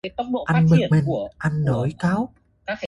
Anh bực mình, anh nổi cáu